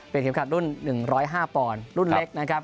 เป็นเข็มขัดรุ่นหนึ่งร้อยห้าปอนรุ่นเล็กนะครับ